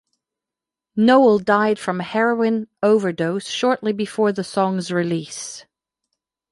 Nowell died from a heroin overdose shortly before the song's release.